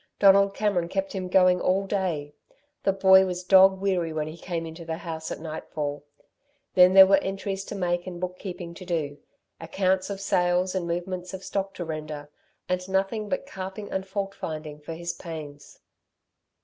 Donald Cameron kept him going all day. The boy was dog weary when he came into the house at nightfall; then there were entries to make and book keeping to do, accounts of sales and movements of stock to render, and nothing but carping and fault finding for his pains.